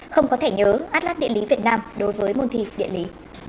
không có thể nhớ atlas điện lý việt nam đối với môn thi điện lý